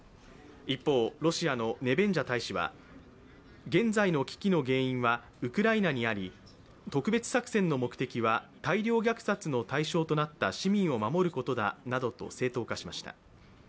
一方、ロシアのネベンジャ大使は現在の危機の原因はウクライナにあり、特別作戦の目的は大量虐殺の対象となった市民を守ることだなどと正当化しました。